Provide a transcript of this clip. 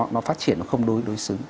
nó phát triển nó không đối xứng